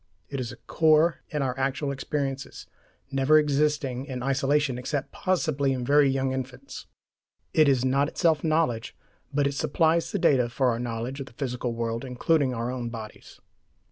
It is a core in our actual experiences, never existing in isolation except possibly in very young infants. It is not itself knowledge, but it supplies the data for our knowledge of the physical world, including our own bodies.